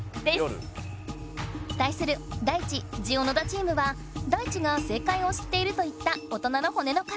たいするダイチ・ジオ野田チームはダイチが正解を知っていると言った「大人の骨の数」。